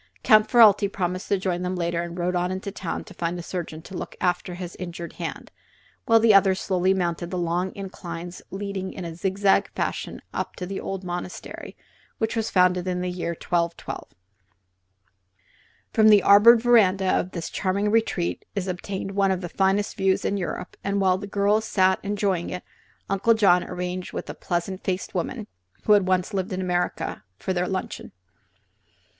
Count Ferralti promised to join them later and rode on to the town to find a surgeon to look after his injured hand, while the others slowly mounted the long inclines leading in a zigzag fashion up to the old monastery, which was founded in the year 1212. From the arbored veranda of this charming retreat is obtained one of the finest views in Europe, and while the girls sat enjoying it Uncle John arranged with a pleasant faced woman (who had once lived in America) for their luncheon.